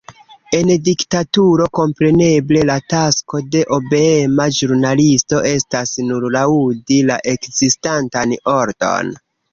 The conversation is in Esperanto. En diktaturo kompreneble la tasko de obeema ĵurnalisto estas nur laŭdi la ekzistantan ordon.